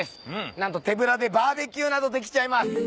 何と手ぶらでバーベキューなどできちゃいます。